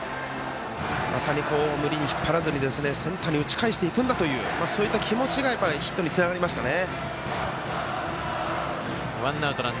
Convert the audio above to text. まさに無理に引っ張らずにセンターに打ち返していくんだという気持ちがヒットにつながりましたね。